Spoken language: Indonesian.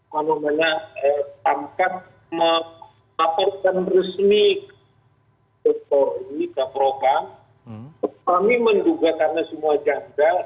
maksudnya tangkap memaparkan resmi ke program kami menduga karena semua janggal